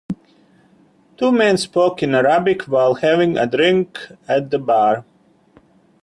Two men spoke in Arabic while having a drink at the bar.